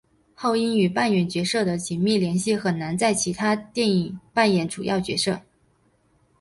后因与扮演角色的紧密联系很难在其他电影扮演主要角色。